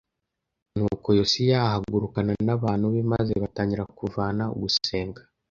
Nuko Yosiya ahagurukana n’abantu be maze batangira kuvana ugusenga